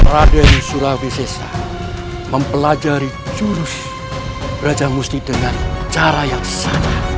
raden surawi sese mempelajari jurus belajar muslim dengan cara yang sangat